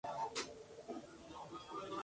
Su píleo es de color pardo oscuro.